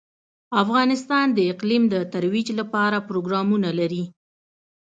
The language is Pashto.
افغانستان د اقلیم د ترویج لپاره پروګرامونه لري.